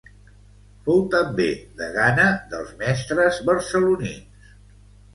Fou també degana dels mestres barcelonins.